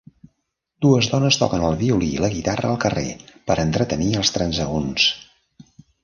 Dues dones toquen el violí i la guitarra al carrer per entretenir els transeünts.